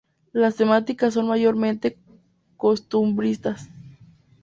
Las temáticas son mayormente costumbristas.